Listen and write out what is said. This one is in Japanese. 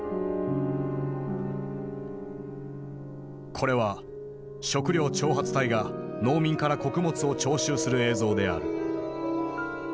これは食糧徴発隊が農民から穀物を徴収する映像である。